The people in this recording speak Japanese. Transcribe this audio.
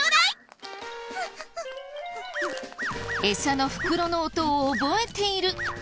エサの袋の音を覚えている。